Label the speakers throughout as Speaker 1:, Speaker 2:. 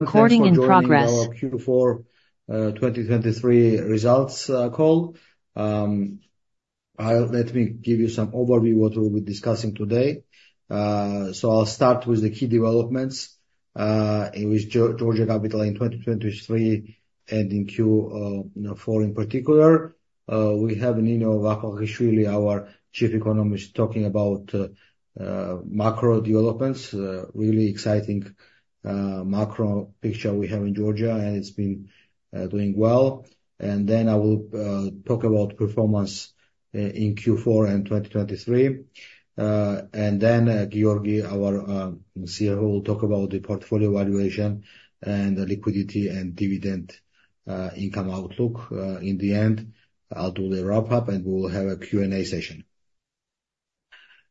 Speaker 1: Thanks for joining our Q4 2023 results call. Let me give you some overview what we'll be discussing today. So I'll start with the key developments with Georgia Capital in 2023 and in Q4, you know, in particular. We have Nino Vakhvakhishvili, our Chief Economist, talking about macro developments, really exciting macro picture we have in Georgia, and it's been doing well. And then I will talk about performance in Q4 and 2023. And then, Giorgi, our CFO, will talk about the portfolio valuation and the liquidity and dividend income outlook. In the end, I'll do the wrap up, and we will have a Q&A session.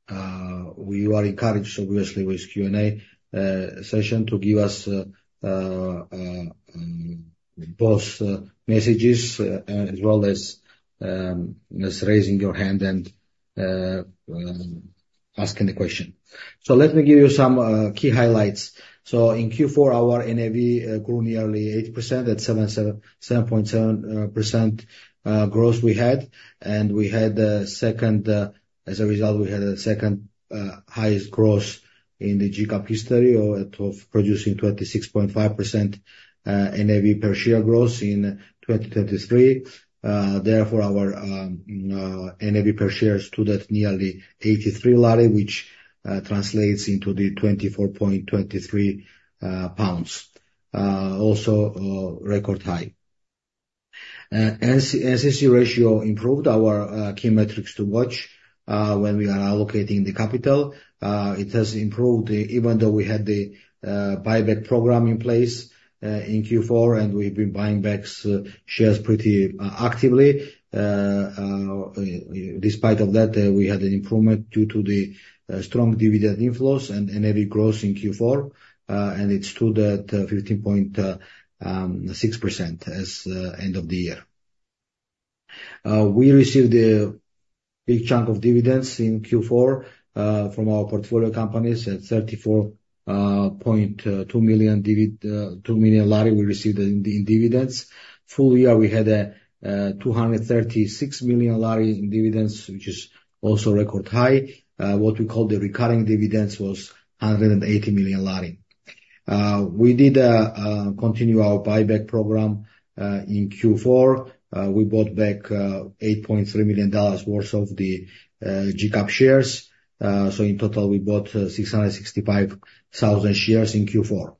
Speaker 1: We are encouraged, obviously, with Q&A session to give us both messages as well as just raising your hand and asking the question. So let me give you some key highlights. So in Q4, our NAV grew nearly 80%, at 7.7% growth we had, and as a result, we had a second highest growth in the GCAP history of producing 26.5% NAV per share growth in 2023. Therefore, our NAV per share stood at nearly 83 GEL, which translates into the 24.23 GBP. Also, record high. NCC ratio improved our key metrics to watch when we are allocating the capital. It has improved even though we had the buyback program in place in Q4, and we've been buying back shares pretty actively. Despite of that, we had an improvement due to the strong dividend inflows and NAV growth in Q4, and it stood at 15.6% as end of the year. We received a big chunk of dividends in Q4 from our portfolio companies at GEL 34.2 million lari we received in dividends. Full year, we had a GEL 236 million lari in dividends, which is also record high. What we call the recurring dividends was GEL 180 million lari. We did continue our buyback program in Q4. We bought back $8.3 million worth of the GCAP shares. So in total, we bought 665,000 shares in Q4.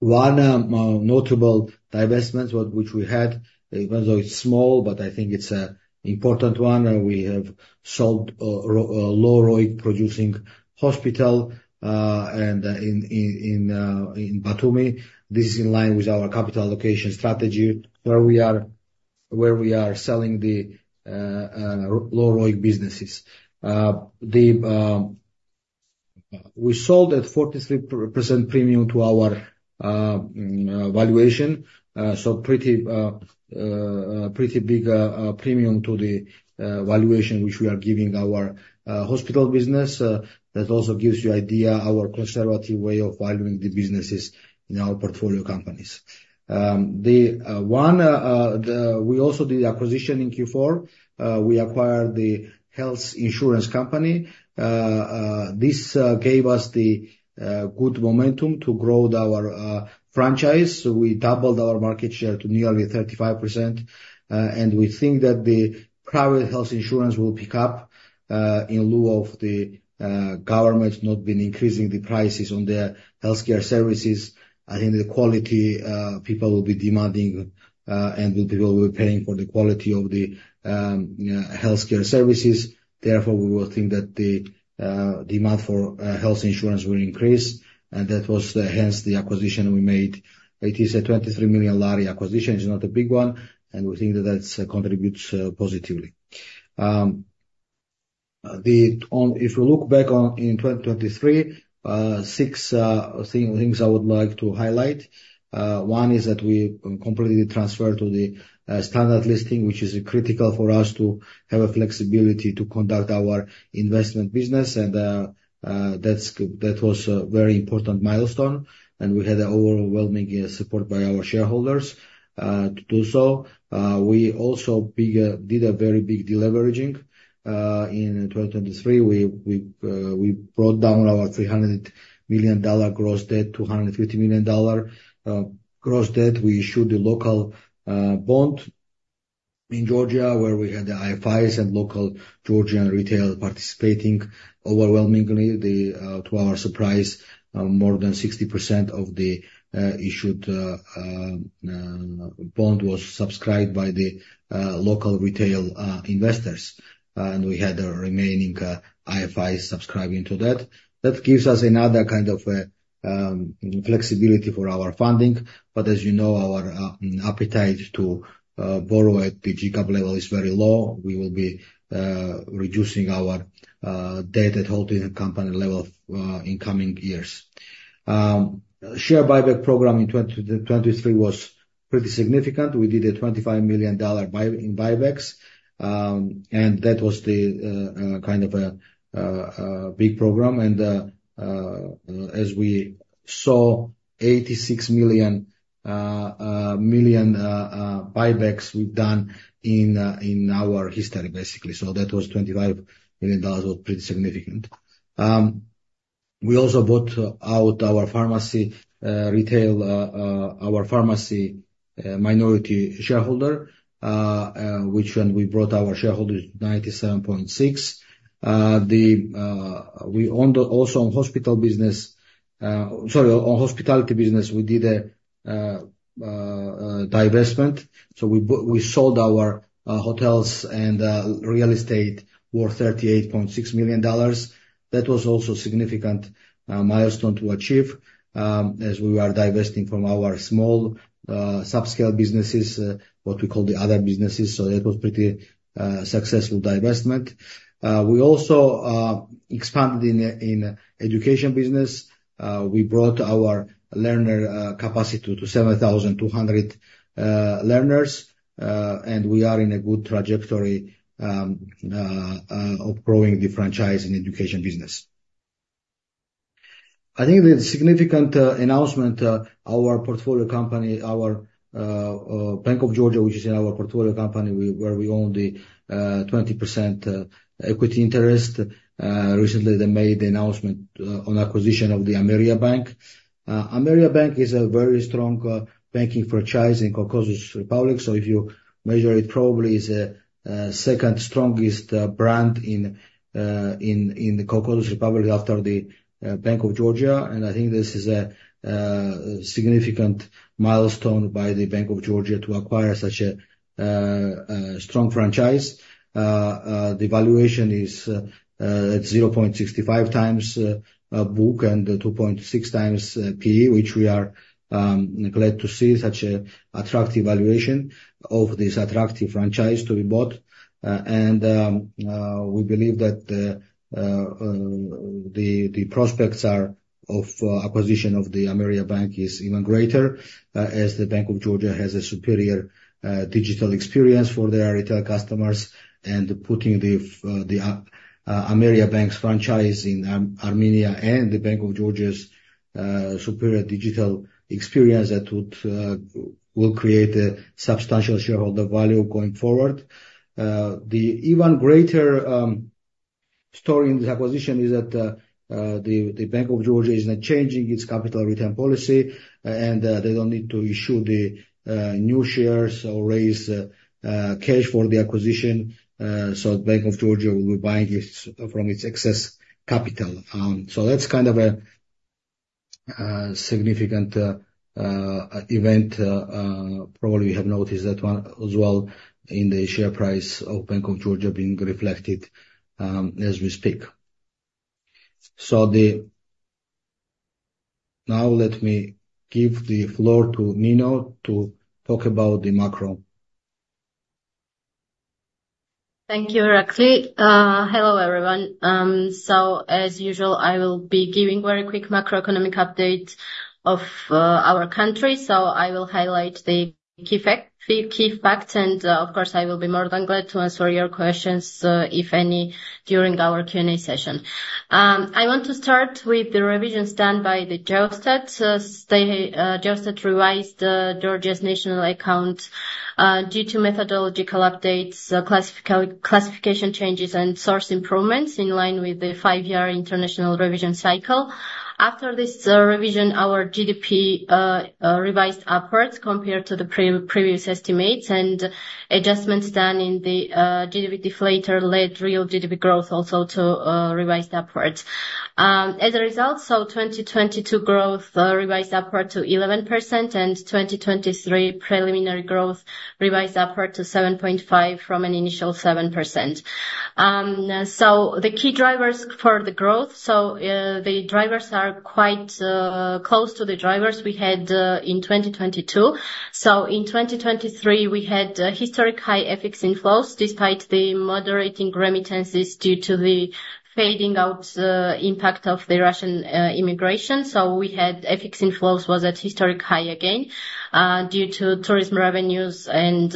Speaker 1: One notable divestment which we had, even though it's small, but I think it's a important one, and we have sold low ROIC producing hospital in Batumi. This is in line with our capital allocation strategy, where we are selling the low ROIC businesses. We sold at 43% premium to our valuation. So pretty big premium to the valuation, which we are giving our hospital business. That also gives you idea, our conservative way of valuing the businesses in our portfolio companies. We also did the acquisition in Q4. We acquired the health insurance company. This gave us the good momentum to grow our franchise. So we doubled our market share to nearly 35%, and we think that the private health insurance will pick up in lieu of the government not been increasing the prices on the healthcare services. I think the quality people will be demanding, and the people will be paying for the quality of the healthcare services. Therefore, we will think that the demand for health insurance will increase, and that was hence the acquisition we made. It is a GEL 23 million acquisition. It's not a big one, and we think that that's contributes positively. If you look back on in 2023, six things I would like to highlight. One is that we completely transferred to the standard listing, which is critical for us to have a flexibility to conduct our investment business, and that's, that was a very important milestone, and we had an overwhelming support by our shareholders to do so. We also did a very big deleveraging in 2023. We brought down our $300 million gross debt to $150 million gross debt. We issued a local bond in Georgia, where we had the IFIs and local Georgian retail participating overwhelmingly. To our surprise, more than 60% of the issued bond was subscribed by the local retail investors, and we had a remaining IFI subscribing to that. That gives us another kind of flexibility for our funding, but as you know, our appetite to borrow at the GCAP level is very low. We will be reducing our debt at holding company level in coming years. Share buyback program in 2023 was pretty significant. We did a $25 million buy in buybacks, and that was the kind of a big program, and as we saw $86 million buybacks we've done in our history, basically. So that was $25 million, was pretty significant. We also bought out our pharmacy retail minority shareholder, which, when we brought our shareholders to 97.6%. Then we owned also on hospital business, sorry, on hospitality business, we did a divestment. So we sold our hotels and real estate worth $38.6 million. That was also significant milestone to achieve, as we are divesting from our small subscale businesses, what we call the other businesses, so that was pretty successful divestment. We also expanded in education business. We brought our learner capacity to 7,200 learners, and we are in a good trajectory of growing the franchise and education business. I think the significant announcement, our portfolio company, our, Bank of Georgia, which is in our portfolio company, where we own the 20% equity interest. Recently, they made the announcement on acquisition of the Ameriabank. Ameriabank is a very strong banking franchise in Caucasus Republic. So if you measure it probably is a second strongest brand in the Caucasus Republic after the Bank of Georgia, and I think this is a significant milestone by the Bank of Georgia to acquire such a strong franchise. The valuation is at 0.65x book and 2.6x P/E, which we are glad to see such a attractive valuation of this attractive franchise to be bought. We believe that the prospects of acquisition of the Ameriabank is even greater, as the Bank of Georgia has a superior digital experience for their retail customers, and putting the Ameriabank's franchise in Armenia and the Bank of Georgia's superior digital experience that will create a substantial shareholder value going forward. The even greater story in the acquisition is that the Bank of Georgia is not changing its capital return policy, and they don't need to issue the new shares or raise cash for the acquisition. So Bank of Georgia will be buying it from its excess capital. So that's kind of a significant event, probably you have noticed that one as well in the share price of Bank of Georgia being reflected, as we speak. Now let me give the floor to Nino to talk about the macro.
Speaker 2: Thank you, Irakli. Hello, everyone. So as usual, I will be giving very quick macroeconomic update of our country. So I will highlight the key fact, the key facts, and of course, I will be more than glad to answer your questions if any, during our Q&A session. I want to start with the revisions done by the Geostat. They Geostat revised Georgia's national account due to methodological updates classification changes and source improvements in line with the five-year international revision cycle. After this revision, our GDP revised upwards compared to the previous estimates, and adjustments done in the GDP deflator led real GDP growth also to revised upwards. As a result, 2022 growth revised upward to 11%, and 2023 preliminary growth revised upward to 7.5% from an initial 7%. The key drivers for the growth, the drivers are quite close to the drivers we had in 2022. So in 2023, we had historic high FX inflows, despite the moderating remittances due to the fading out impact of the Russian immigration. So we had FX inflows was at historic high again, due to tourism revenues and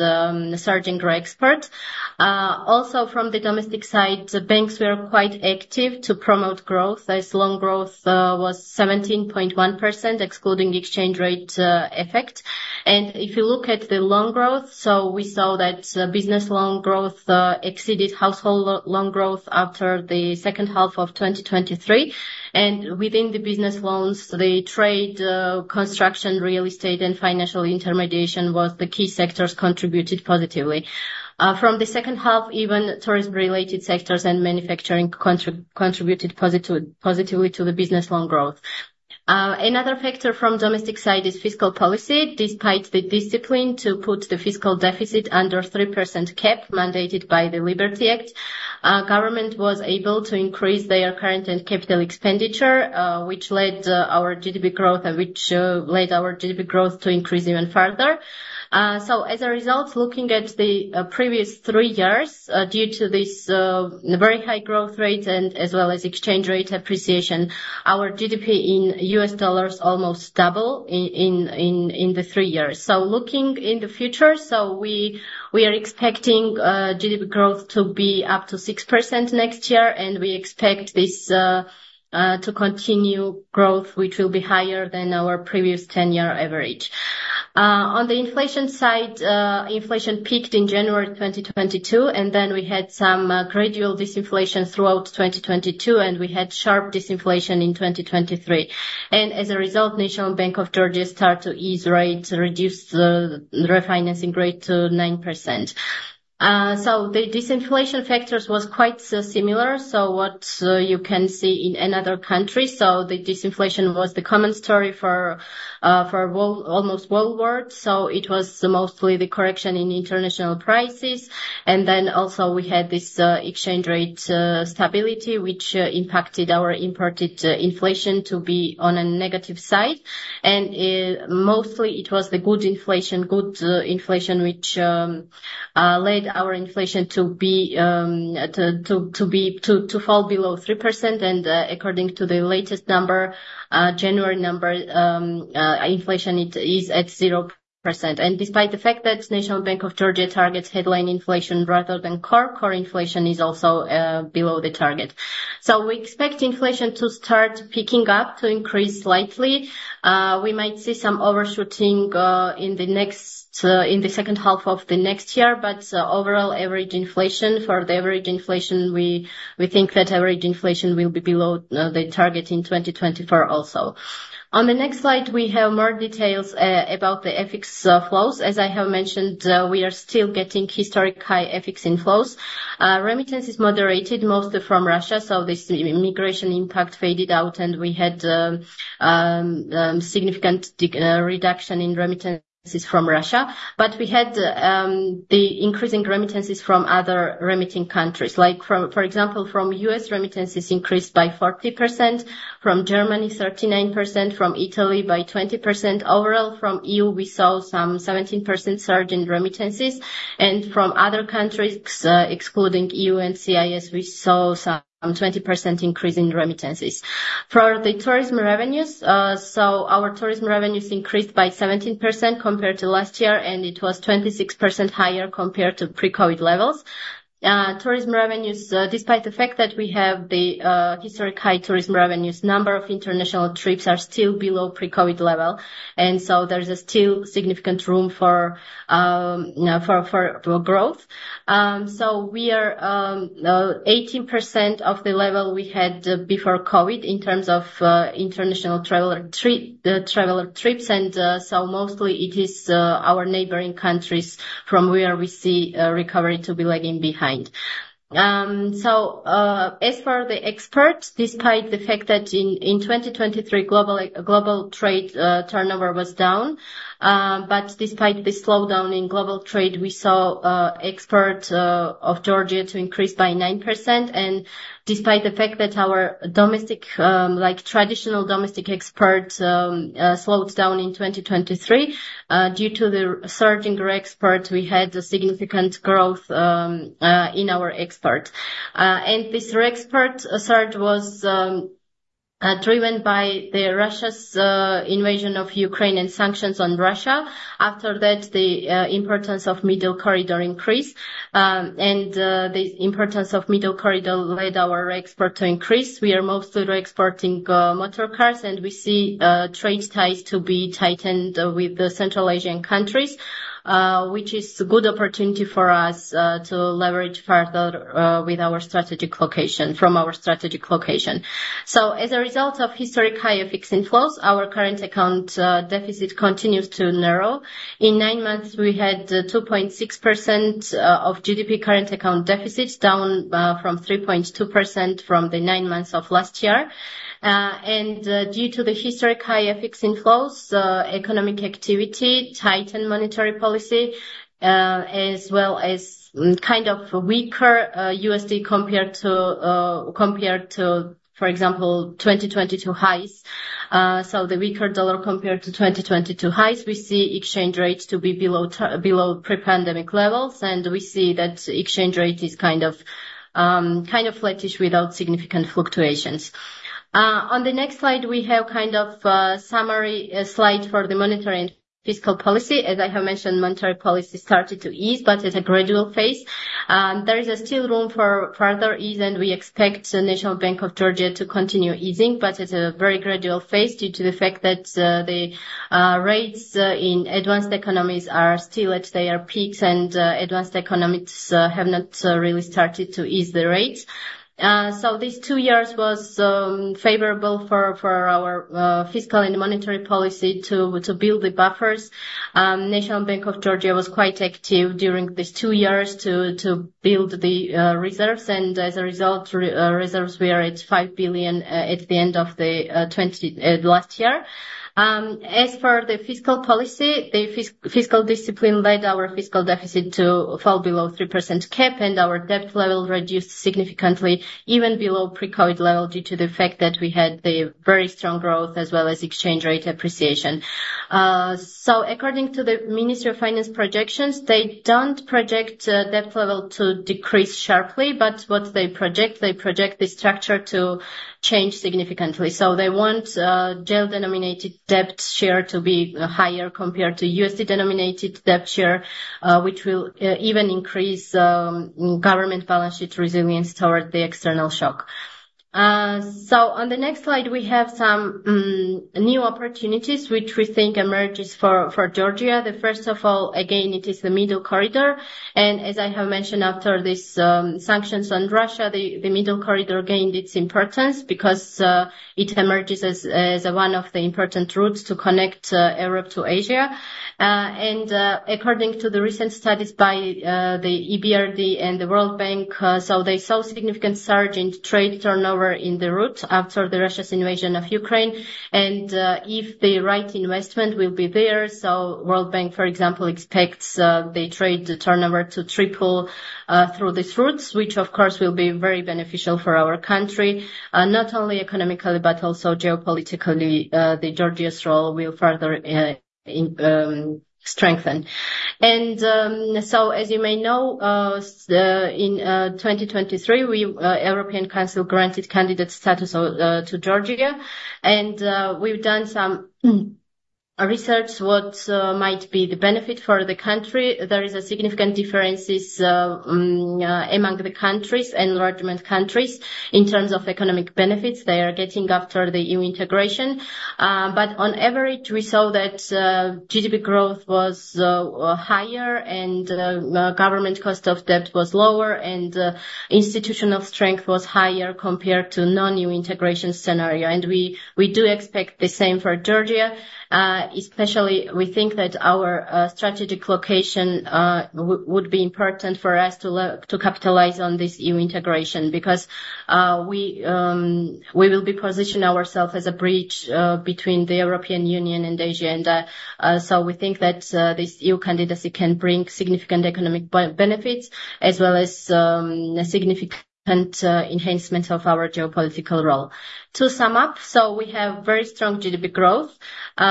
Speaker 2: surging exports. Also from the domestic side, the banks were quite active to promote growth, as loan growth was 17.1%, excluding the exchange rate effect. If you look at the loan growth, so we saw that business loan growth exceeded household loan growth after the second half of 2023. Within the business loans, the trade, construction, real estate, and financial intermediation was the key sectors contributed positively. From the second half, even tourism-related sectors and manufacturing contributed positively to the business loan growth. Another factor from domestic side is fiscal policy. Despite the discipline to put the fiscal deficit under 3% cap mandated by the Liberty Act, government was able to increase their current and capital expenditure, which led our GDP growth, and which led our GDP growth to increase even further. So as a result, looking at the previous three years, due to this very high growth rate and as well as exchange rate appreciation, our GDP in U.S. dollars almost double in the three years. So looking in the future, so we are expecting GDP growth to be up to 6% next year, and we expect this to continue growth, which will be higher than our previous ten-year average. On the inflation side, inflation peaked in January 2022, and then we had some gradual disinflation throughout 2022, and we had sharp disinflation in 2023. And as a result, National Bank of Georgia start to ease rates, reduce the refinancing rate to 9%. So the disinflation factors was quite similar, so what you can see in another country, so the disinflation was the common story for almost worldwide. So it was mostly the correction in international prices. And then also we had this exchange rate stability, which impacted our imported inflation to be on a negative side. And mostly it was the good inflation, good inflation, which led our inflation to fall below 3%. And according to the latest number, January number, inflation it is at 0%. And despite the fact that National Bank of Georgia targets headline inflation rather than core, core inflation is also below the target. So we expect inflation to start picking up, to increase slightly. We might see some overshooting in the second half of the next year, but overall, average inflation, for the average inflation, we, we think that average inflation will be below the target in 2024 also. On the next slide, we have more details about the FX flows. As I have mentioned, we are still getting historic high FX inflows. Remittance is moderated, mostly from Russia, so this immigration impact faded out, and we had significant reduction in remittances from Russia. But we had the increase in remittances from other remitting countries, like from, for example, from U.S., remittances increased by 40%, from Germany, 39%, from Italy by 20%. Overall, from EU, we saw some 17% surge in remittances, and from other countries, excluding EU and CIS, we saw some 20% increase in remittances. For the tourism revenues, so our tourism revenues increased by 17% compared to last year, and it was 26% higher compared to pre-COVID levels. Tourism revenues, despite the fact that we have the historic high tourism revenues, number of international trips are still below pre-COVID level, and so there's a still significant room for growth. So we are 18% of the level we had before COVID in terms of international traveler trips, and so mostly it is our neighboring countries from where we see recovery to be lagging behind. So, as for the exports, despite the fact that in 2023, global trade turnover was down, but despite the slowdown in global trade, we saw exports of Georgia to increase by 9%. And despite the fact that our domestic, like traditional domestic exports, slowed down in 2023, due to the surge in re-export, we had a significant growth in our exports. And this re-export surge was driven by Russia's invasion of Ukraine and sanctions on Russia. After that, the importance of Middle Corridor increased, and the importance of Middle Corridor led our exports to increase. We are mostly re-exporting motor cars, and we see trade ties to be tightened with the Central Asian countries, which is a good opportunity for us to leverage further with our strategic location, from our strategic location. So as a result of historically higher FX inflows, our current account deficit continues to narrow. In nine months, we had 2.6% of GDP current account deficits, down from 3.2% from the nine months of last year. And due to the historically high FX inflows, economic activity, tightened monetary policy, as well as kind of weaker USD, compared to compared to, for example, 2022 highs. So the weaker dollar compared to 2022 highs, we see exchange rates to be below pre-pandemic levels, and we see that exchange rate is kind of flattish without significant fluctuations. On the next slide, we have kind of summary slide for the monetary and fiscal policy. As I have mentioned, monetary policy started to ease, but at a gradual pace. There is still room for further ease, and we expect National Bank of Georgia to continue easing, but at a very gradual pace due to the fact that the rates in advanced economies are still at their peaks, and advanced economies have not really started to ease the rates. So these two years was favorable for our fiscal and monetary policy to build the buffers. National Bank of Georgia was quite active during these two years to build the reserves, and as a result, reserves were at $5 billion at the end of 2023. As for the fiscal policy, the fiscal discipline led our fiscal deficit to fall below 3% cap, and our debt level reduced significantly, even below pre-COVID level, due to the fact that we had the very strong growth as well as exchange rate appreciation. So according to the Ministry of Finance projections, they don't project debt level to decrease sharply, but what they project, they project the structure to change significantly. So they want GEL-denominated debt share to be higher compared to USD-denominated debt share, which will even increase government balance sheet resilience toward the external shock. So on the next slide, we have some new opportunities which we think emerges for Georgia. The first of all, again, it is the Middle Corridor, and as I have mentioned, after this, sanctions on Russia, the Middle Corridor gained its importance because it emerges as one of the important routes to connect Europe to Asia. And according to the recent studies by the EBRD and the World Bank, so they saw significant surge in trade turnover in the route after Russia's invasion of Ukraine. And if the right investment will be there, so World Bank, for example, expects the trade, the turnover to triple through these routes, which of course will be very beneficial for our country, not only economically but also geopolitically, Georgia's role will further strengthen. And, so as you may know, in 2023, we European Council granted candidate status to Georgia, and we've done some a research what might be the benefit for the country. There is a significant differences among the countries, enlargement countries, in terms of economic benefits they are getting after the EU integration. But on average, we saw that GDP growth was higher, and government cost of debt was lower, and institutional strength was higher compared to non-EU integration scenario. We do expect the same for Georgia, especially we think that our strategic location would be important for us to capitalize on this EU integration, because we will be positioning ourselves as a bridge between the European Union and Asia. So we think that this EU candidacy can bring significant economic benefits as well as a significant enhancement of our geopolitical role. To sum up, we have very strong GDP growth. We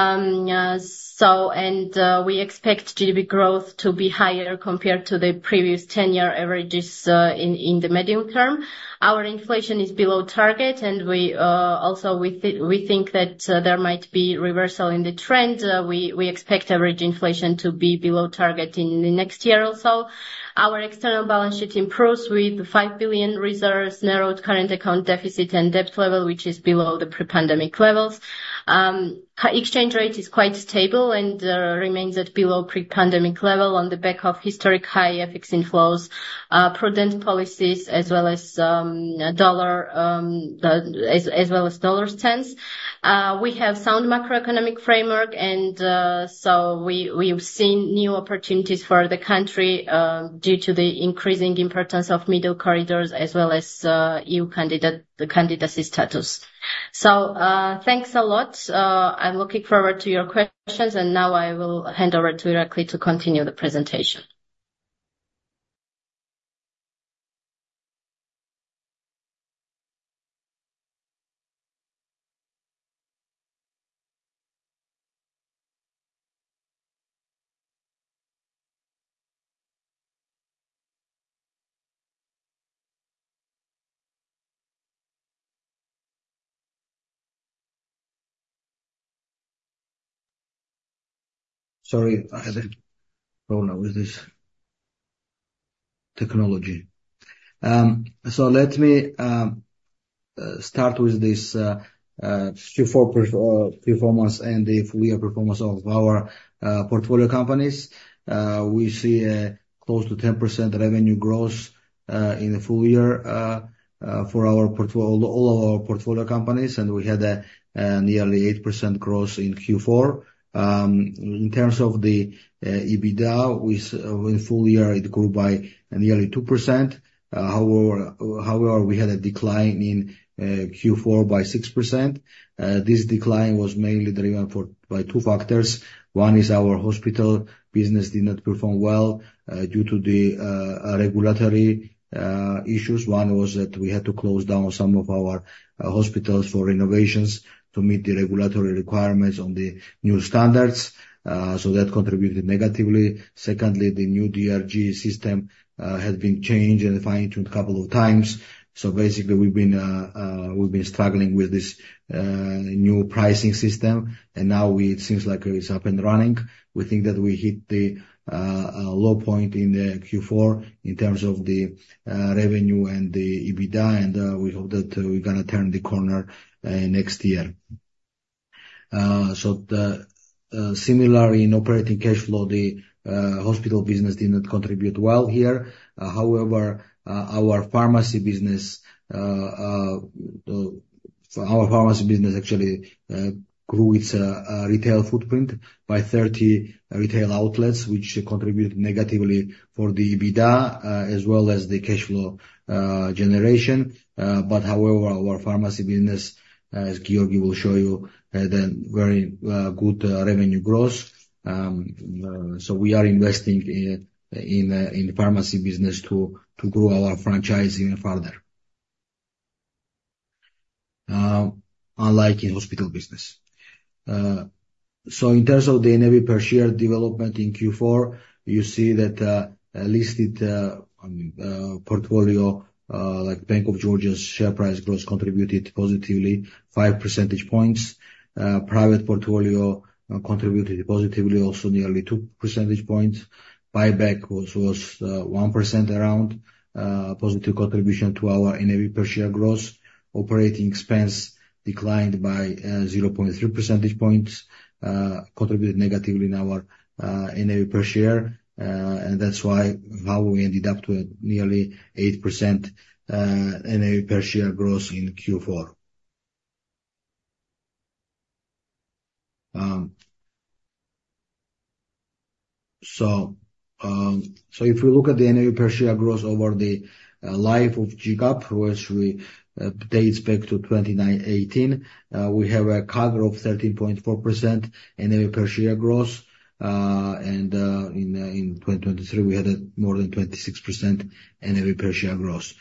Speaker 2: expect GDP growth to be higher compared to the previous ten-year averages in the medium term. Our inflation is below target, and we also think that there might be reversal in the trend. We expect average inflation to be below target in the next year also. Our external balance sheet improves with $5 billion reserves, narrowed current account deficit and debt level, which is below the pre-pandemic levels. Exchange rate is quite stable and remains at below pre-pandemic level on the back of historic high FX inflows, prudent policies, as well as dollar stance. We have sound macroeconomic framework, and so we, we've seen new opportunities for the country due to the increasing importance of Middle Corridor as well as EU candidacy status. So, thanks a lot. I'm looking forward to your questions, and now I will hand over to Irakli to continue the presentation.
Speaker 1: Sorry, I had a problem with this technology. So let me start with this, Q4 performance, and the full year performance of our portfolio companies. We see close to 10% revenue growth in the full year for all of our portfolio companies, and we had a nearly 8% growth in Q4. In terms of the EBITDA, we in full year, it grew by nearly 2%. However, we had a decline in Q4 by 6%. This decline was mainly driven by two factors. One is our hospital business did not perform well due to the regulatory issues. One was that we had to close down some of our hospitals for renovations to meet the regulatory requirements on the new standards. So that contributed negatively. Secondly, the new DRG system has been changed and fine-tuned a couple of times. So basically, we've been struggling with this new pricing system, and now it seems like it is up and running. We think that we hit the low point in the Q4 in terms of the revenue and the EBITDA, and we hope that we're gonna turn the corner next year. So the similar in operating cash flow, the hospital business did not contribute well here. However, our pharmacy business actually grew its retail footprint by 30 retail outlets, which contributed negatively for the EBITDA, as well as the cash flow generation. But however, our pharmacy business, as Giorgi will show you, the very good revenue growth. So we are investing in pharmacy business to grow our franchise even further... unlike in hospital business. So in terms of the NAV per share development in Q4, you see that listed portfolio, like Bank of Georgia's share price growth contributed positively, 5 percentage points. Private portfolio contributed positively, also nearly 2 percentage points. Buyback was 1% around positive contribution to our NAV per share growth. Operating expense declined by 0.3 percentage points, contributed negatively in our NAV per share. And that's why, how we ended up to nearly 8% NAV per share growth in Q4. So if we look at the NAV per share growth over the life of GCAP, which dates back to 2018, we have a CAGR of 13.4% NAV per share growth. And in 2023, we had a more than 26% NAV per share growth.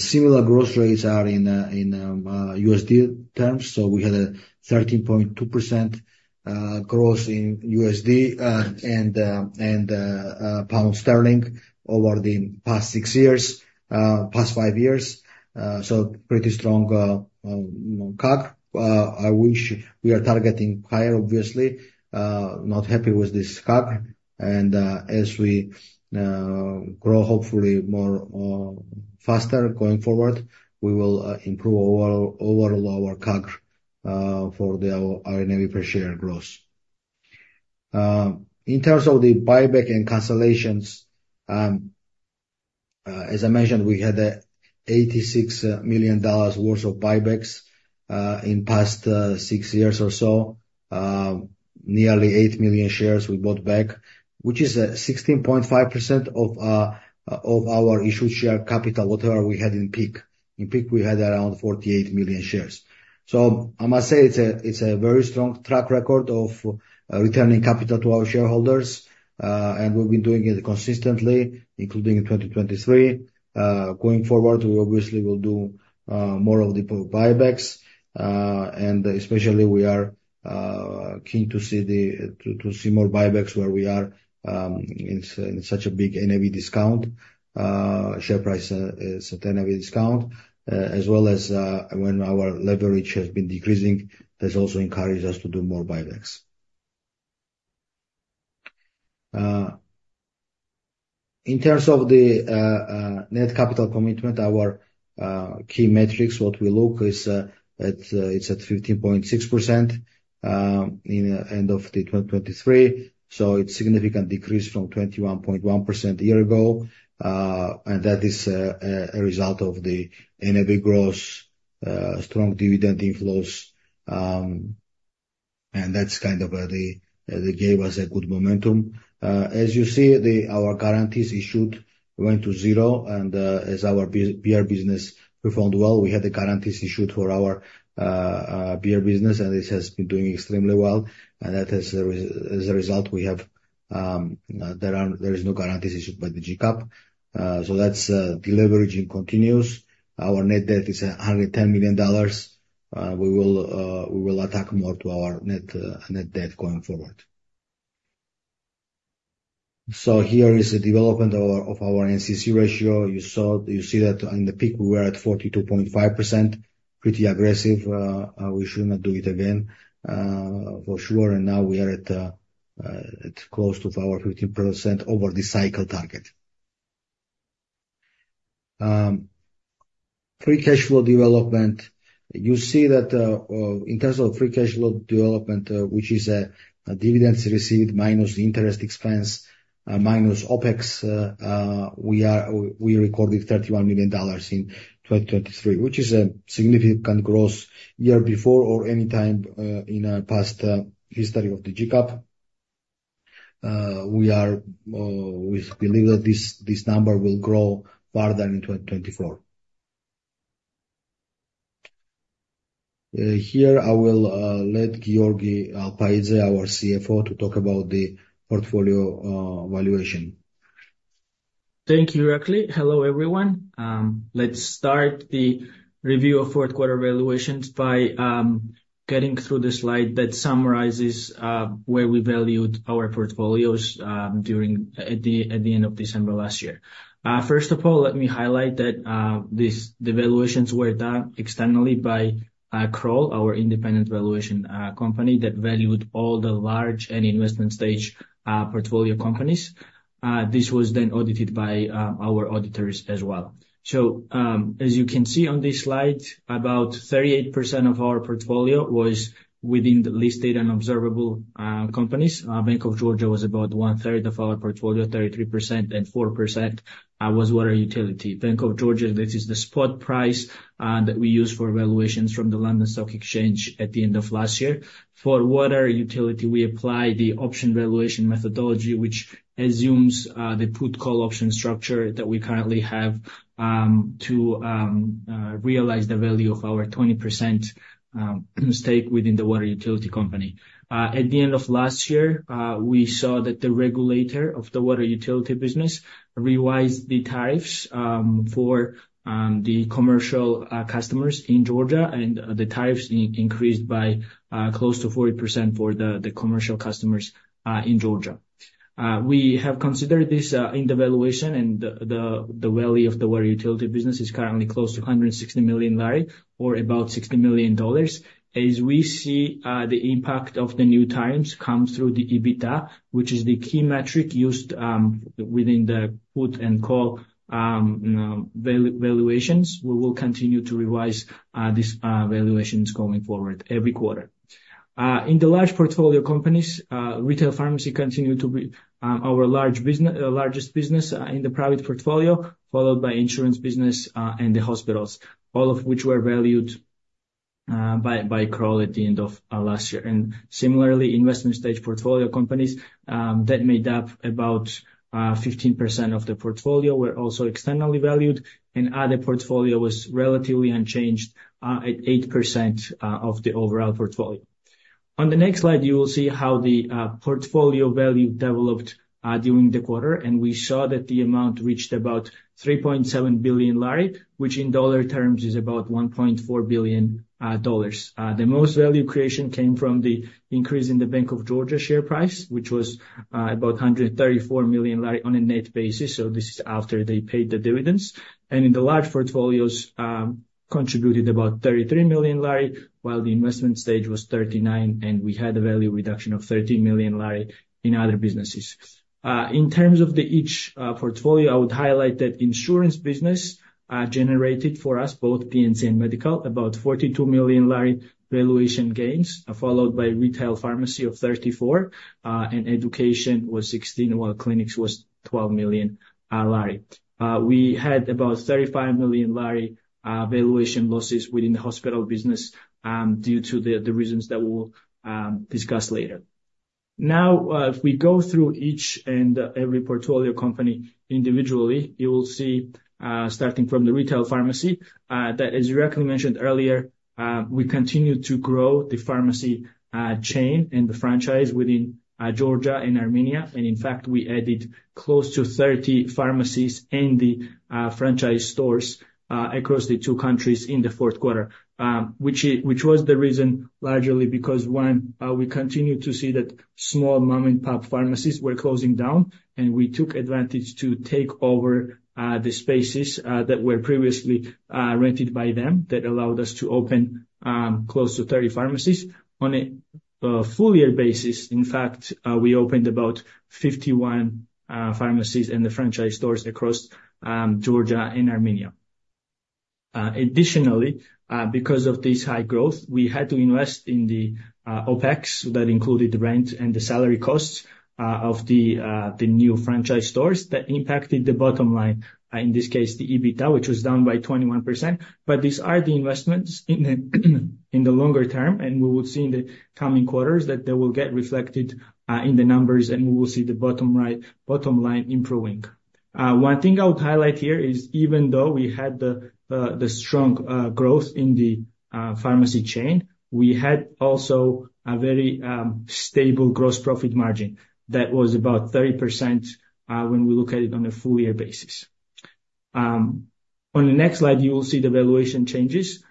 Speaker 1: Similar growth rates are in USD terms. So we had a 13.2% growth in USD and pound sterling over the past six years, past five years. So pretty strong CAGR. I wish we are targeting higher, obviously, not happy with this CAGR. And, as we grow, hopefully more faster going forward, we will improve overall, overall, our CAGR for the our NAV per share growth. In terms of the buyback and cancellations, as I mentioned, we had $86 million worth of buybacks in past six years or so. Nearly 8 million shares we bought back, which is 16.5% of of our issued share capital, whatever we had in peak. In peak, we had around 48 million shares. So I must say it's a, it's a very strong track record of returning capital to our shareholders, and we've been doing it consistently, including in 2023. Going forward, we obviously will do more of the buybacks, and especially we are keen to see more buybacks where we are in such a big NAV discount. Share price is a NAV discount, as well as when our leverage has been decreasing, that's also encouraged us to do more buybacks. In terms of the net capital commitment, our key metrics, what we look at is, it's at 15.6% in end of 2023. So it's significant decrease from 21.1% a year ago, and that is a result of the NAV growth, strong dividend inflows, and that's kind of the, they gave us a good momentum. As you see, our guarantees issued went to zero, and as our beer businessperformed well, we had the guarantees issued for our beer business, and this has been doing extremely well. And that has, as a result, we have, there is no guarantees issued by the GCAP. So that's deleveraging continues. Our net debt is $110 million. We will attack more to our net net debt going forward. So here is the development of our NCC ratio. You saw, you see that on the peak, we were at 42.5%, pretty aggressive. We should not do it again, for sure, and now we are at close to our 15% over the cycle target. Free cash flow development, you see that, in terms of free cash flow development, which is, dividends received minus interest expense, minus OpEx, we recorded $31 million in 2023, which is a significant growth year before or any time, in our past, history of the GCAP. We are, we believe that this, this number will grow further in 2024. Here I will, let Giorgi Alpaidze, our CFO, to talk about the portfolio, valuation.
Speaker 3: Thank you, Irakli. Hello, everyone. Let's start the review of fourth quarter valuations by getting through the slide that summarizes where we valued our portfolios during at the end of December last year. First of all, let me highlight that this the valuations were done externally by Kroll, our independent valuation company, that valued all the large and investment stage portfolio companies. This was then audited by our auditors as well. So, as you can see on this slide, about 38% of our portfolio was within the listed and observable companies. Bank of Georgia was about one-third of our portfolio, 33%, and 4% was water utility. Bank of Georgia, this is the spot price that we use for valuations from the London Stock Exchange at the end of last year. For water utility, we apply the option valuation methodology, which assumes the put call option structure that we currently have to realize the value of our 20% stake within the water utility company. At the end of last year, we saw that the regulator of the water utility business revised the tariffs for the commercial customers in Georgia, and the tariffs increased by close to 40% for the commercial customers in Georgia. We have considered this in the valuation and the value of the water utility business is currently close to GEL 160 million or about $60 million. As we see, the impact of the new times come through the EBITDA, which is the key metric used within the put and call valuations, we will continue to revise these valuations going forward every quarter. In the large portfolio companies, retail pharmacy continued to be our large business, largest business in the private portfolio, followed by insurance business and the hospitals, all of which were valued by Kroll at the end of last year. And similarly, investment stage portfolio companies that made up about 15% of the portfolio were also externally valued, and other portfolio was relatively unchanged at 8% of the overall portfolio. On the next slide, you will see how the portfolio value developed during the quarter, and we saw that the amount reached about GEL 3.7 billion, which in dollar terms is about $1.4 billion. The most value creation came from the increase in the Bank of Georgia share price, which was about GEL 134 million on a net basis, so this is after they paid the dividends. And in the large portfolios contributed about GEL 33 million, while the investment stage was 39, and we had a value reduction of GEL 13 million in other businesses. In terms of each portfolio, I would highlight that insurance business generated for us, both P&C and medical, about GEL 42 million valuation gains, followed by retail pharmacy of GEL 34 million, and education was GEL 16 million, while clinics was GEL 12 million. We had about GEL 35 million valuation losses within the hospital business, due to the reasons that we'll discuss later. Now, if we go through each and every portfolio company individually, you will see, starting from the retail pharmacy, that, as Irakli mentioned earlier, we continue to grow the pharmacy chain and the franchise within Georgia and Armenia. And in fact, we added close to 30 pharmacies in the franchise stores across the two countries in the fourth quarter. which was the reason, largely because, one, we continued to see that small mom-and-pop pharmacies were closing down, and we took advantage to take over the spaces that were previously rented by them. That allowed us to open close to 30 pharmacies. On a full year basis, in fact, we opened about 51 pharmacies in the franchise stores across Georgia and Armenia. Additionally, because of this high growth, we had to invest in the OpEx. That included the rent and the salary costs of the new franchise stores that impacted the bottom line, in this case, the EBITDA, which was down by 21%. But these are the investments in the, in the longer term, and we will see in the coming quarters that they will get reflected, in the numbers, and we will see the bottom right, bottom line improving. One thing I would highlight here is even though we had the, the strong, growth in the, pharmacy chain, we had also a very, stable gross profit margin that was about 30%, when we look at it on a full year basis. On the next slide, you will see the valuation changes.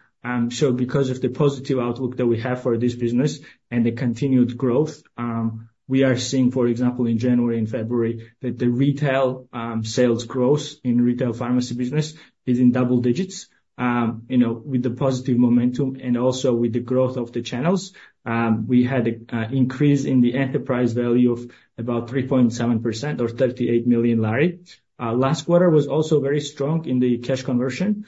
Speaker 3: So because of the positive outlook that we have for this business and the continued growth, we are seeing, for example, in January and February, that the retail, sales growth in retail pharmacy business is in double digits. You know, with the positive momentum and also with the growth of the channels, we had a increase in the enterprise value of about 3.7% or GEL 38 million. Last quarter was also very strong in the cash conversion.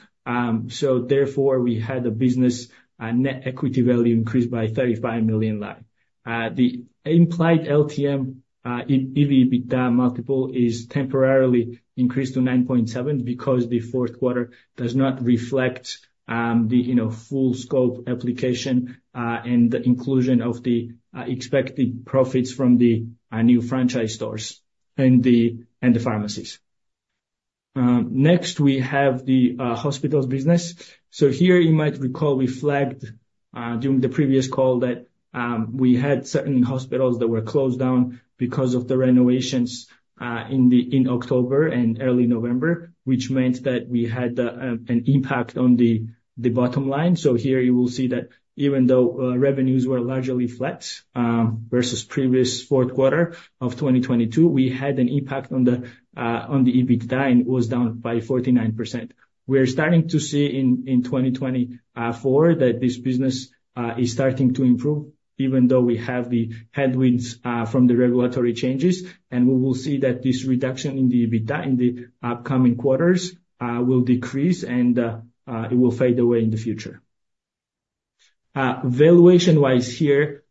Speaker 3: So therefore, we had a business net equity value increase by GEL 35 million. The implied LTM EV/EBITDA multiple is temporarily increased to 9.7 because the fourth quarter does not reflect the, you know, full scope application and the inclusion of the expected profits from the new franchise stores and the pharmacies. Next, we have the hospitals business. So here you might recall we flagged during the previous call that we had certain hospitals that were closed down because of the renovations in October and early November, which meant that we had an impact on the bottom line. So here you will see that even though revenues were largely flat versus previous fourth quarter of 2022, we had an impact on the EBITDA, and it was down by 49%. We're starting to see in 2024 that this business is starting to improve, even though we have the headwinds from the regulatory changes. We will see that this reduction in the EBITDA in the upcoming quarters will decrease and it will fade away in the future. Valuation-wise here,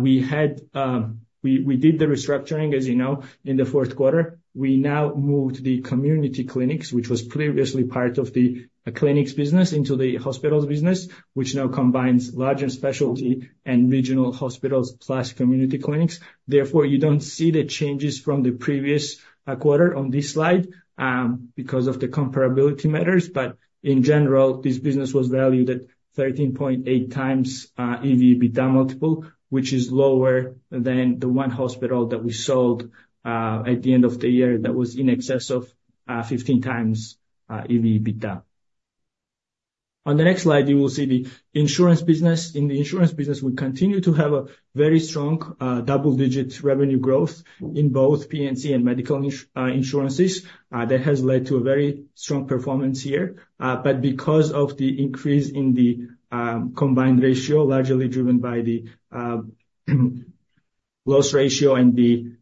Speaker 3: we had... We, we did the restructuring, as you know, in the fourth quarter. We now moved the community clinics, which was previously part of the clinics business, into the hospitals business, which now combines larger specialty and regional hospitals plus community clinics. Therefore, you don't see the changes from the previous quarter on this slide because of the comparability matters. But in general, this business was valued at 13.8x EV/EBITDA multiple, which is lower than the one hospital that we sold at the end of the year that was in excess of 15x EV/EBITDA. On the next slide, you will see the insurance business. In the insurance business, we continue to have a very strong double-digit revenue growth in both P&C and medical insurances. That has led to a very strong performance here. But because of the increase in the combined ratio, largely driven by the loss ratio and the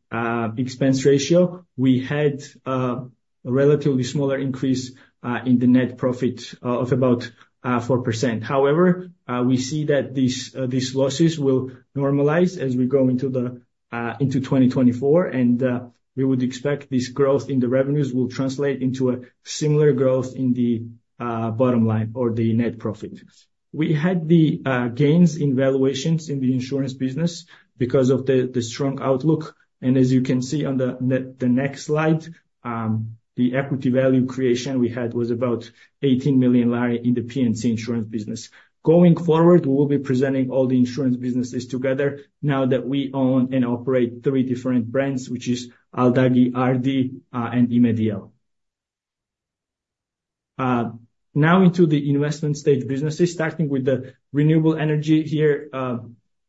Speaker 3: expense ratio, we had a relatively smaller increase in the net profit of about 4%. However, we see that these losses will normalize as we go into 2024, and we would expect this growth in the revenues will translate into a similar growth in the bottom line or the net profit. We had the gains in valuations in the insurance business because of the strong outlook. And as you can see on the next slide, the equity value creation we had was about GEL 18 million in the P&C insurance business. Going forward, we will be presenting all the insurance businesses together now that we own and operate three different brands, which is Aldagi, Ardi, and Imedi L. Now into the investment stage businesses, starting with the renewable energy here,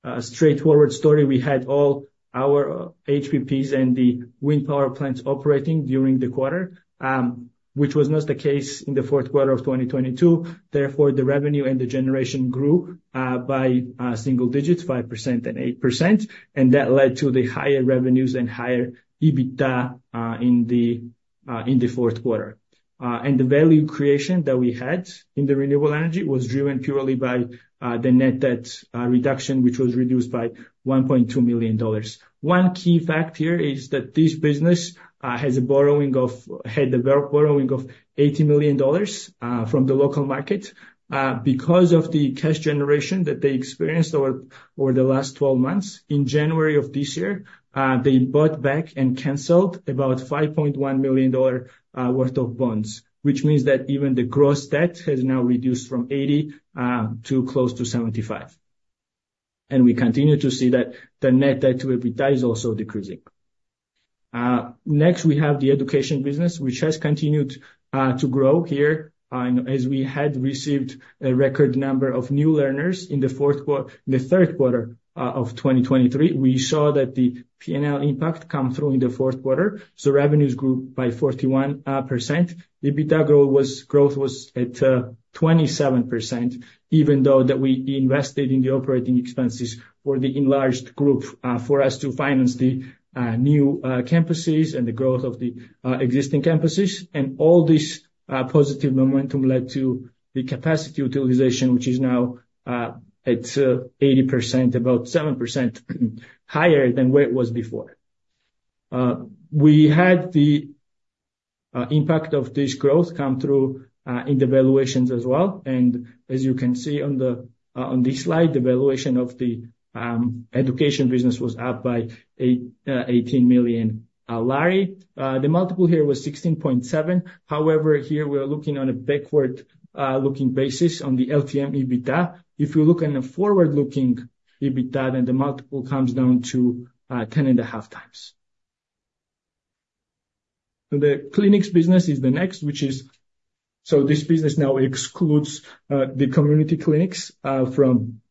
Speaker 3: a straightforward story. We had all our HPPs and the wind power plants operating during the quarter, which was not the case in the fourth quarter of 2022. Therefore, the revenue and the generation grew by single digits, 5% and 8%, and that led to the higher revenues and higher EBITDA in the fourth quarter. And the value creation that we had in the renewable energy was driven purely by the net debt reduction, which was reduced by $1.2 million. One key fact here is that this business has had a borrowing of $80 million from the local market. Because of the cash generation that they experienced over the last twelve months, in January of this year, they bought back and canceled about $5.1 million worth of bonds. Which means that even the gross debt has now reduced from $80 million to close to $75 million. And we continue to see that the net debt to EBITDA is also decreasing. Next, we have the education business, which has continued to grow here, as we had received a record number of new learners in the third quarter of 2023. We saw that the PNL impact come through in the fourth quarter, so revenues grew by 41%. The EBITDA growth was at 27%, even though that we invested in the operating expenses for the enlarged group for us to finance the new campuses and the growth of the existing campuses. And all this positive momentum led to the capacity utilization, which is now at 80%, about 7% higher than where it was before. We had the impact of this growth come through in the valuations as well. And as you can see on this slide, the valuation of the education business was up by GEL 18 million. The multiple here was 16.7x. However, here we are looking on a backward-looking basis on the LTM EBITDA. If you look in a forward-looking EBITDA, then the multiple comes down to 10.5x. The clinics business is the next, which is—so this business now excludes the community clinics from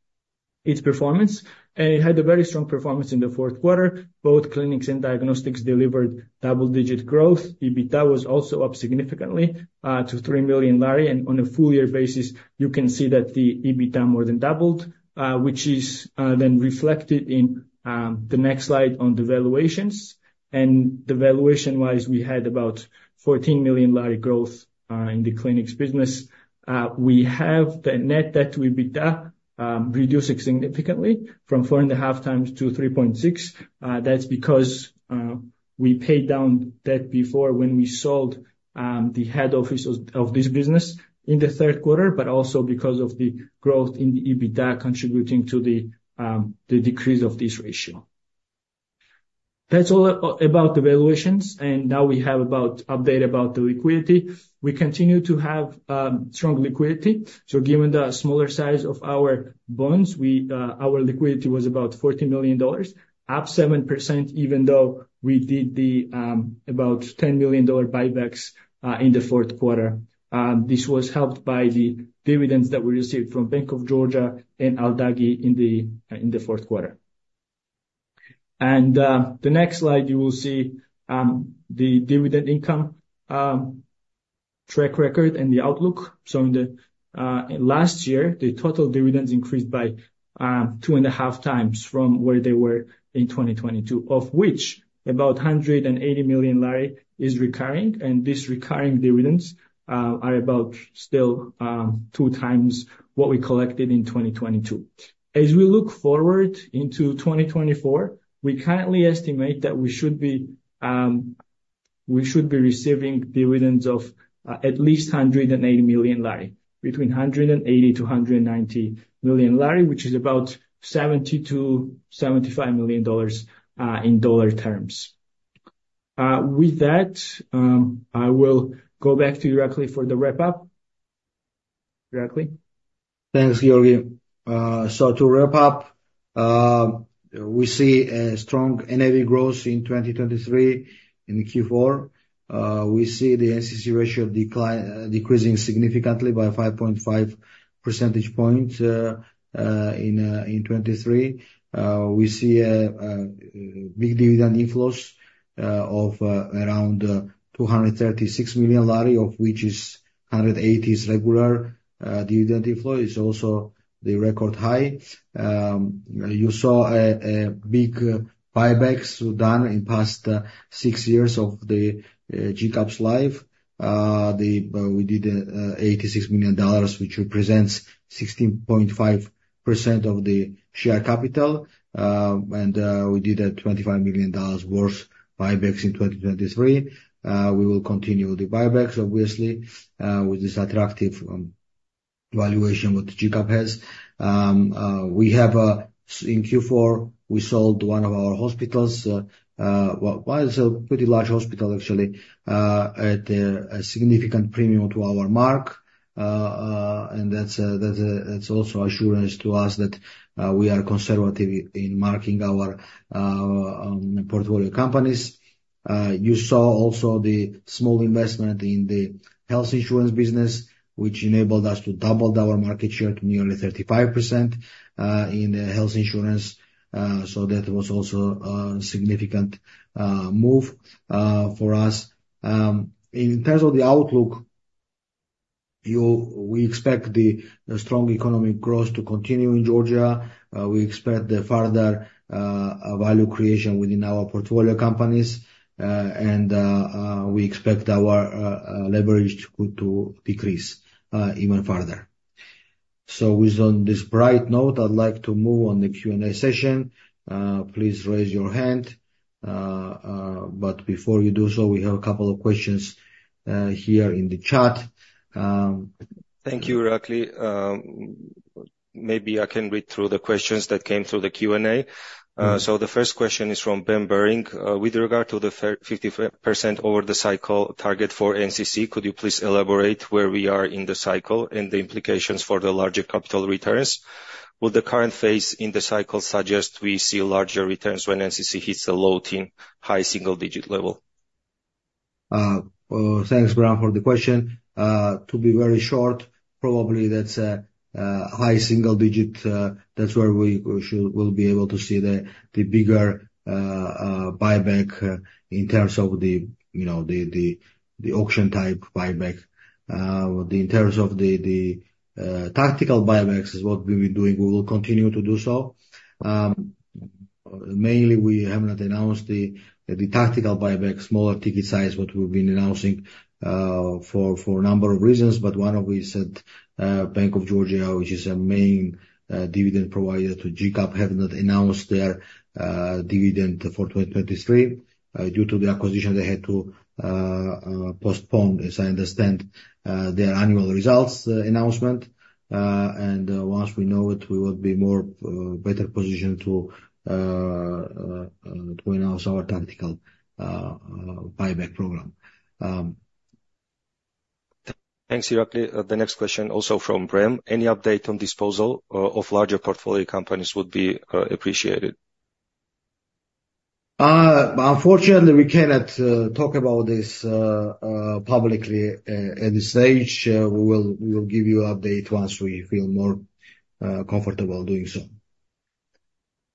Speaker 3: its performance, and it had a very strong performance in the fourth quarter. Both clinics and diagnostics delivered double-digit growth. EBITDA was also up significantly to GEL 3 million, and on a full year basis, you can see that the EBITDA more than doubled, which is then reflected in the next slide on the valuations. And the valuation-wise, we had about GEL 14 million growth in the clinics business. We have the net debt to EBITDA reducing significantly from 4.5x to 3.6. That's because we paid down debt before when we sold the head office of this business in the third quarter, but also because of the growth in the EBITDA contributing to the decrease of this ratio. That's all about the valuations, and now we have an update about the liquidity. We continue to have strong liquidity. So given the smaller size of our bonds, our liquidity was about $14 million, up 7%, even though we did about $10 million buybacks in the fourth quarter. This was helped by the dividends that we received from Bank of Georgia and Aldagi in the fourth quarter. The next slide, you will see the dividend income track record and the outlook. So in the last year, the total dividends increased by 2.5x from where they were in 2022, of which about GEL 180 million is recurring, and these recurring dividends are about still two times what we collected in 2022. As we look forward into 2024, we currently estimate that we should be receiving dividends of at least GEL 180 million, between GEL 180 million-GEL 190 million, which is about $70 million-$75 million in dollar terms. With that, I will go back to Irakli for the wrap-up. Irakli?
Speaker 1: Thanks, Georgie. So to wrap up, we see a strong NAV growth in 2023 in Q4. We see the NCC ratio decline, decreasing significantly by 5.5 percentage points in 2023. We see big dividend inflows of around GEL 236 million, of which 180 is regular dividend inflow. It's also the record high. You saw big buybacks done in past six years of the GCAP's life. We did $86 million, which represents 16.5% of the share capital, and we did a $25 million worth buybacks in 2023. We will continue the buybacks, obviously, with this attractive valuation what GCAP has. We have, in Q4, we sold one of our hospitals, well, it's a pretty large hospital actually, at a significant premium to our mark. And that's also assurance to us that we are conservative in marking our portfolio companies. You saw also the small investment in the health insurance business, which enabled us to double our market share to nearly 35% in the health insurance. So that was also a significant move for us. In terms of the outlook, we expect the strong economic growth to continue in Georgia. We expect the further value creation within our portfolio companies, and we expect our leverage to decrease even further. So, on this bright note, I'd like to move to the Q&A session. Please raise your hand, but before you do so, we have a couple of questions here in the chat.
Speaker 4: Thank you, Irakli. Maybe I can read through the questions that came through the Q&A.
Speaker 1: Mm-hmm.
Speaker 4: So the first question is from Bram Buring: With regard to the 55% over the cycle target for NCC, could you please elaborate where we are in the cycle and the implications for the larger capital returns? Will the current phase in the cycle suggest we see larger returns when NCC hits a low teen, high single digit level?
Speaker 1: Thanks, Bram, for the question. To be very short, probably that's a high single digit, that's where we should, we'll be able to see the bigger buyback in terms of the, you know, the auction type buyback. In terms of the tactical buybacks is what we've been doing, we will continue to do so. Mainly, we have not announced the tactical buyback, smaller ticket size, what we've been announcing, for a number of reasons, but one of we said, Bank of Georgia, which is a main dividend provider to GCAP, have not announced their dividend for 2023. Due to the acquisition, they had to postpone, as I understand, their annual results announcement, and once we know it, we will be more better positioned to announce our tactical buyback program.
Speaker 4: Thanks, Irakli. The next question, also from Bram: Any update on disposal of larger portfolio companies would be appreciated.
Speaker 1: Unfortunately, we cannot talk about this publicly at this stage. We will give you update once we feel more comfortable doing so.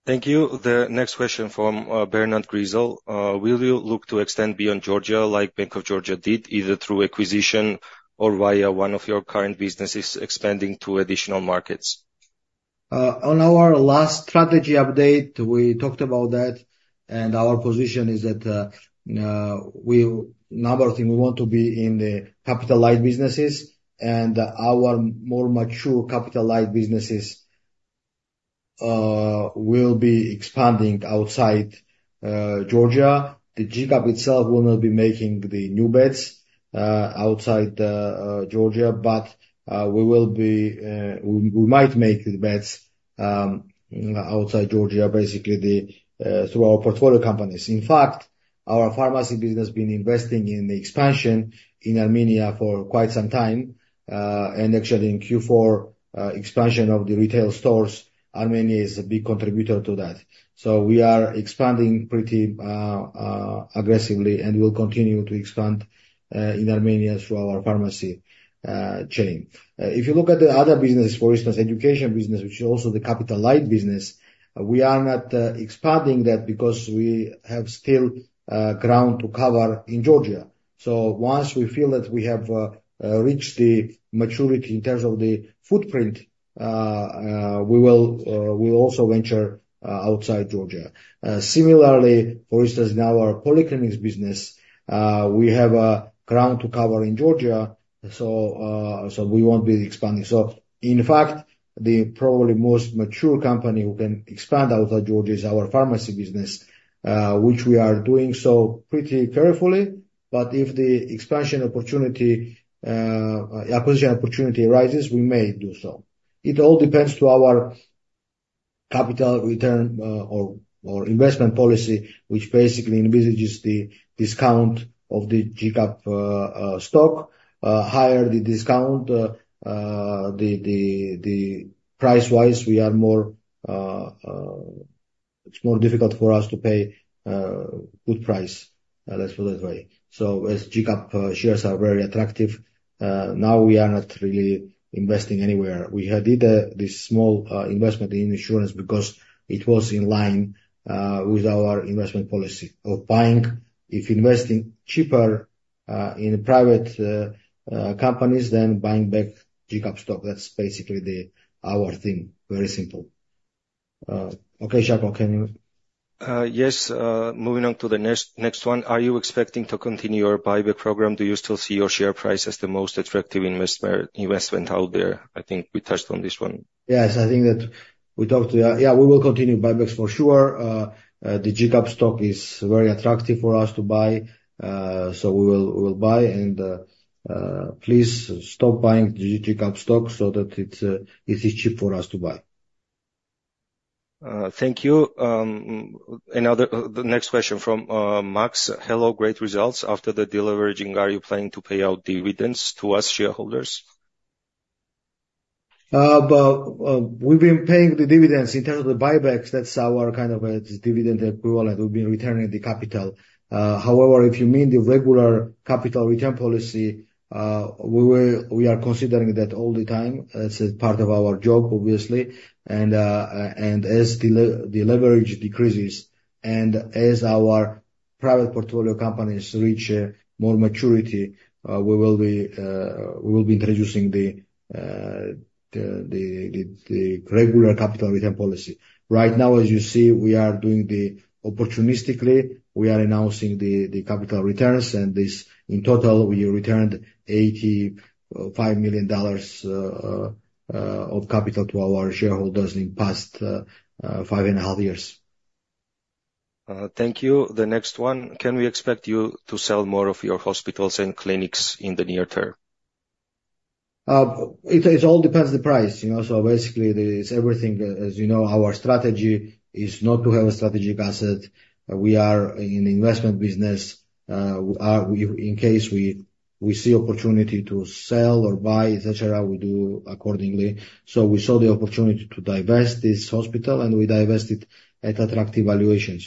Speaker 4: Thank you. The next question from, Bernard Grizzle: Will you look to extend beyond Georgia, like Bank of Georgia did, either through acquisition or via one of your current businesses expanding to additional markets?
Speaker 1: On our last strategy update, we talked about that, and our position is that, Number one thing, we want to be in the capital light businesses, and our more mature capital light businesses will be expanding outside Georgia. The GCAP itself will not be making the new bets outside Georgia, but we will be, we might make the bets outside Georgia, basically through our portfolio companies. In fact, our pharmacy business has been investing in the expansion in Armenia for quite some time, and actually in Q4 expansion of the retail stores, Armenia is a big contributor to that. So we are expanding pretty aggressively, and we will continue to expand in Armenia through our pharmacy chain. If you look at the other business, for instance, education business, which is also the capital light business, we are not expanding that because we have still ground to cover in Georgia. So once we feel that we have reached the maturity in terms of the footprint, we will, we'll also venture outside Georgia. Similarly, for instance, in our polyclinics business, we have a ground to cover in Georgia, so we won't be expanding. So in fact, the probably most mature company who can expand outside Georgia is our pharmacy business, which we are doing so pretty carefully, but if the expansion opportunity, acquisition opportunity arises, we may do so. It all depends to our capital return, or investment policy, which basically envisages the discount of the GCAP stock. The higher the discount, the price-wise, it's more difficult for us to pay good price, let's put it that way. So as GCAP shares are very attractive, now we are not really investing anywhere. We had did this small investment in insurance because it was in line with our investment policy of buying—if investing cheaper in private companies than buying back GCAP stock. That's basically our thing. Very simple. Okay, Jacob, can you?
Speaker 4: Yes, moving on to the next, next one. Are you expecting to continue your buyback program? Do you still see your share price as the most attractive investor investment out there? I think we touched on this one.
Speaker 1: Yes, I think that we talked, yeah, yeah, we will continue buybacks for sure. The GCAP stock is very attractive for us to buy. So we will buy and please stop buying the GCAP stock so that it is cheap for us to buy.
Speaker 4: Thank you. Another, the next question from Max. Hello, great results. After the deleveraging, are you planning to pay out dividends to us shareholders?
Speaker 1: But, we've been paying the dividends. In terms of the buybacks, that's our kind of, dividend equivalent. We've been returning the capital. However, if you mean the regular capital return policy, we are considering that all the time. That's a part of our job, obviously. And as the leverage decreases, and as our private portfolio companies reach more maturity, we will be introducing the regular capital return policy. Right now, as you see, we are doing the... Opportunistically, we are announcing the capital returns, and this in total, we returned $85 million of capital to our shareholders in past five and a half years.
Speaker 4: Thank you. The next one: Can we expect you to sell more of your hospitals and clinics in the near term?
Speaker 1: It all depends on the price, you know, so basically, there is everything, as you know, our strategy is not to have a strategic asset. We are in investment business. We, in case we see opportunity to sell or buy, et cetera, we do accordingly. So we saw the opportunity to divest this hospital, and we divested at attractive valuation,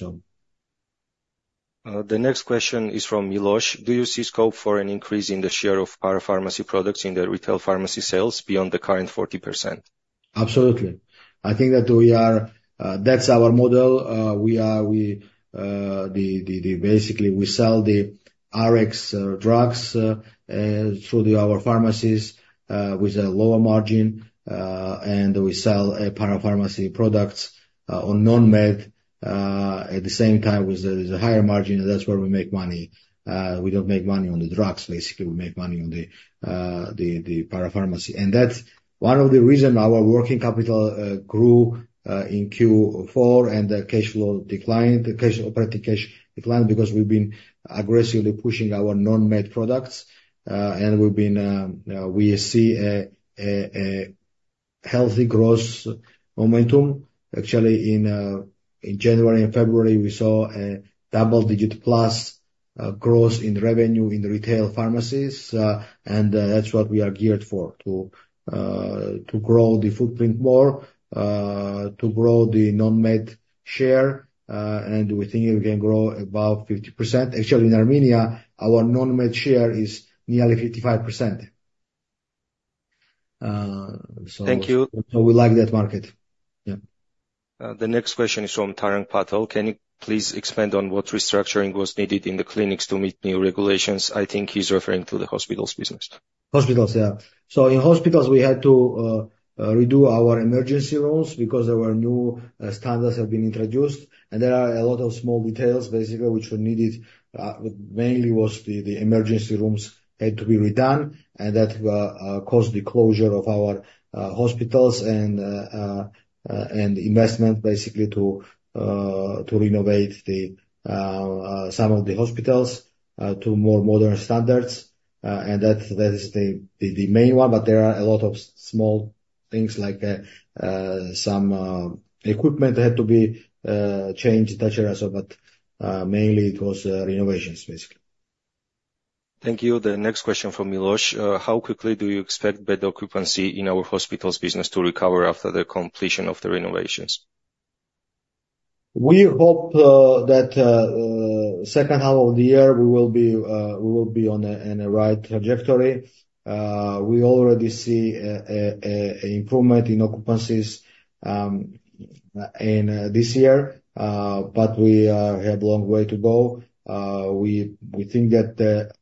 Speaker 1: so.
Speaker 4: The next question is from Milosh. Do you see scope for an increase in the share of parapharmacy products in the retail pharmacy sales beyond the current 40%?
Speaker 1: Absolutely. I think that we are. That's our model. We are basically we sell the RX drugs through our pharmacies with a lower margin and we sell parapharmacy products on non-med at the same time with the higher margin, and that's where we make money. We don't make money on the drugs. Basically, we make money on the parapharmacy. And that's one of the reason our working capital grew in Q4 and the cash flow declined, the operating cash declined because we've been aggressively pushing our non-med products. And we've been we see a healthy growth momentum. Actually, in January and February, we saw a double-digit plus growth in revenue in retail pharmacies, and that's what we are geared for, to grow the footprint more, to grow the non-med share, and we think it can grow about 50%. Actually, in Armenia, our non-med share is nearly 55%. So-
Speaker 4: Thank you.
Speaker 1: So we like that market. Yeah.
Speaker 4: The next question is from Tarang Patel. Can you please expand on what restructuring was needed in the clinics to meet new regulations? I think he's referring to the hospitals business.
Speaker 1: Hospitals, yeah. So in hospitals, we had to redo our emergency rooms because there were new standards have been introduced, and there are a lot of small details, basically, which were needed. But mainly was the emergency rooms had to be redone, and that caused the closure of our hospitals and investment basically to renovate some of the hospitals to more modern standards. And that is the main one, but there are a lot of small things like some equipment had to be changed, et cetera, so but mainly it was renovations, basically.
Speaker 4: Thank you. The next question from Milosh. How quickly do you expect bed occupancy in our hospitals business to recover after the completion of the renovations?
Speaker 1: We hope that in the second half of the year, we will be on the right trajectory. We already see an improvement in occupancies in this year, but we have a long way to go. We think that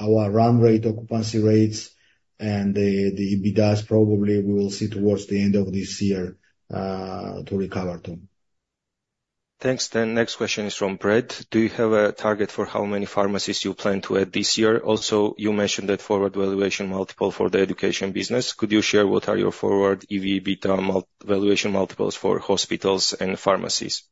Speaker 1: our run rate occupancy rates and the EBITDA probably we will see towards the end of this year to recover them.
Speaker 4: Thanks. The next question is from Brad. Do you have a target for how many pharmacies you plan to add this year? Also, you mentioned that forward valuation multiple for the education business. Could you share what are your forward EBITDA mult- valuation multiples for hospitals and pharmacies?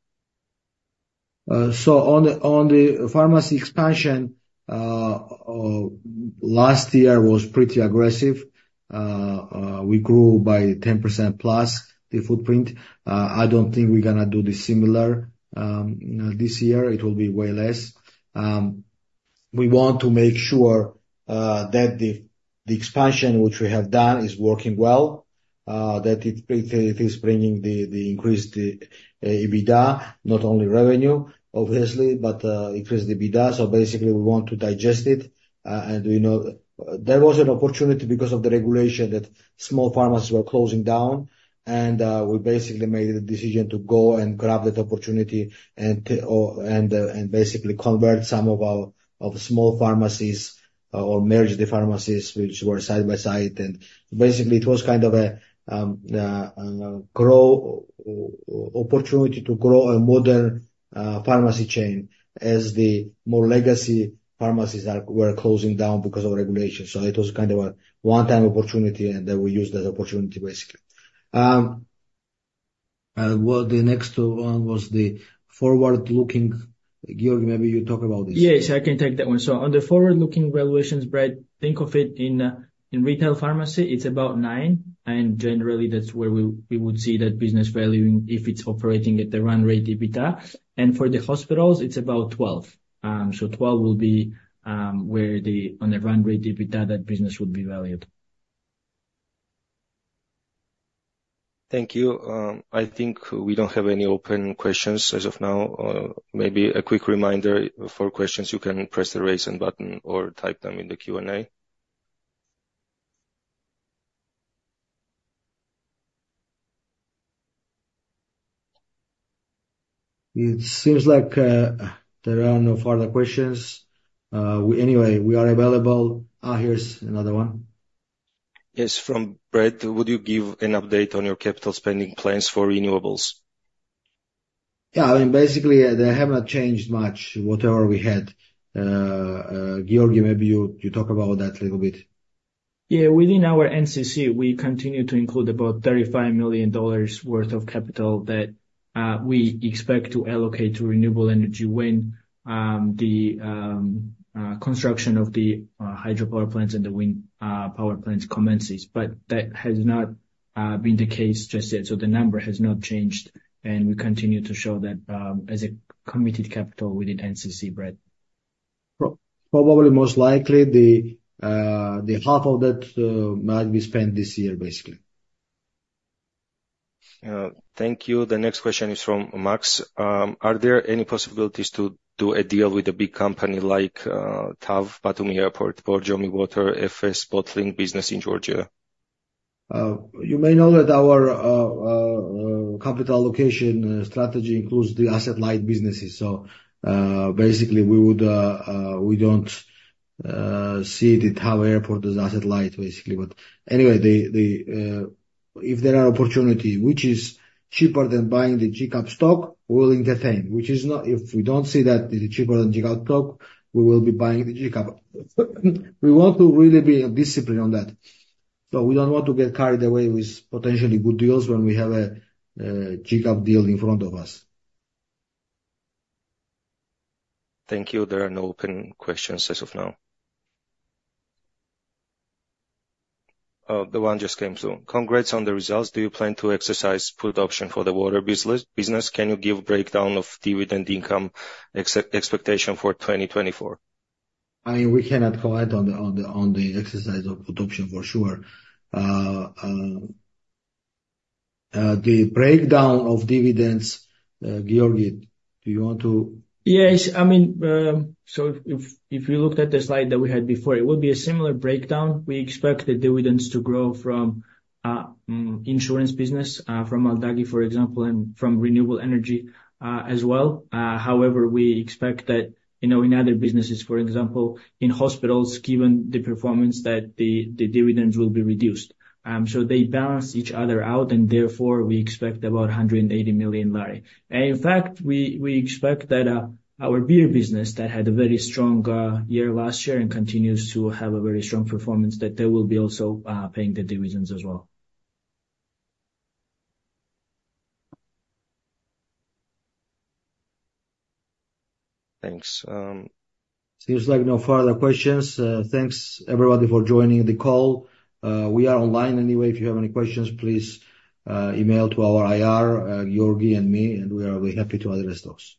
Speaker 1: So on the pharmacy expansion, last year was pretty aggressive. We grew by 10%+ the footprint. I don't think we're gonna do the similar this year. It will be way less. We want to make sure that the expansion which we have done is working well, that it is bringing the increased EBITDA, not only revenue, obviously, but increased EBITDA. So basically, we want to digest it. And we know there was an opportunity because of the regulation that small pharmacies were closing down, and we basically made the decision to go and grab that opportunity and, and, and basically convert some of our small pharmacies or merge the pharmacies which were side by side and-... Basically, it was kind of a opportunity to grow a modern pharmacy chain as the more legacy pharmacies were closing down because of regulation. So it was kind of a one-time opportunity, and then we used that opportunity, basically. The next one was the forward-looking. Giorgi, maybe you talk about this.
Speaker 3: Yes, I can take that one. So on the forward-looking valuations, Brad, think of it in retail pharmacy, it's about nine, and generally, that's where we would see that business valuing if it's operating at the run rate EBITDA. And for the hospitals, it's about 12. So 12 will be where on the run rate EBITDA, that business would be valued.
Speaker 4: Thank you. I think we don't have any open questions as of now. Maybe a quick reminder, for questions, you can press the Raise Hand button or type them in the Q&A.
Speaker 1: It seems like there are no further questions. Anyway, we are available. Here's another one.
Speaker 4: Yes, from Brad: Would you give an update on your capital spending plans for renewables?
Speaker 1: Yeah, I mean, basically, they have not changed much, whatever we had. Giorgi, maybe you talk about that a little bit.
Speaker 3: Yeah, within our NCC, we continue to include about $35 million worth of capital that we expect to allocate to renewable energy when the construction of the hydropower plants and the wind power plants commences. But that has not been the case just yet, so the number has not changed, and we continue to show that as a committed capital within NCC, Brad.
Speaker 1: Probably most likely, the half of that might be spent this year, basically.
Speaker 4: Thank you. The next question is from Max. Are there any possibilities to do a deal with a big company like TAV Batumi Airport, Borjomi water, Efes bottling business in Georgia?
Speaker 1: You may know that our capital allocation strategy includes the asset-light businesses. So, basically, we would, we don't see the TAV Airport as asset-light, basically. But anyway, the if there are opportunity which is cheaper than buying the GCAP stock, we'll entertain. Which is not—if we don't see that it's cheaper than GCAP stock, we will be buying the GCAP. We want to really be discipline on that. So we don't want to get carried away with potentially good deals when we have a GCAP deal in front of us.
Speaker 4: Thank you. There are no open questions as of now. The one just came through. Congrats on the results. Do you plan to exercise put option for the water business? Can you give a breakdown of dividend income expectation for 2024?
Speaker 1: I mean, we cannot comment on the exercise of put option, for sure. The breakdown of dividends, Giorgi, do you want to-
Speaker 3: Yes, I mean, so if, if you looked at the slide that we had before, it would be a similar breakdown. We expect the dividends to grow from, insurance business, from Aldagi, for example, and from renewable energy, as well. However, we expect that, you know, in other businesses, for example, in hospitals, given the performance, that the, the dividends will be reduced. So they balance each other out, and therefore, we expect about GEL 180 million. And in fact, we, we expect that, our beer business, that had a very strong, year last year and continues to have a very strong performance, that they will be also, paying the dividends as well.
Speaker 4: Thanks, um-
Speaker 1: Seems like no further questions. Thanks, everybody, for joining the call. We are online anyway. If you have any questions, please, email to our IR, Giorgi and me, and we are very happy to address those.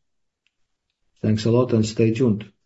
Speaker 1: Thanks a lot, and stay tuned.